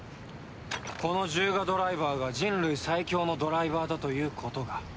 このジュウガドライバーが人類最強のドライバーだということが。